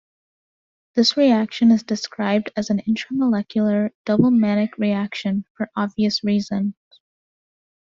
This reaction is described as an intramolecular "double Mannich reaction" for obvious reasons.